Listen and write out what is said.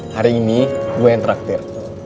hari ini gue yang terakhir